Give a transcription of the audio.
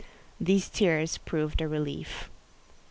These tears proved a relief.